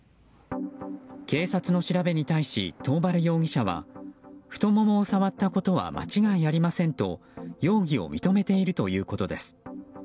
警察の調べに対し桃原容疑者は太ももを触ったことは間違いありませんと容疑を認めているということです。